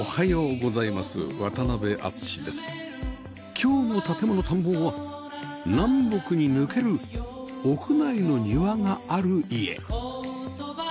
今日の『建もの探訪』は南北に抜ける屋内の庭がある家